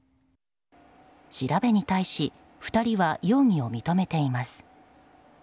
調べに対し２人は容疑を認めています。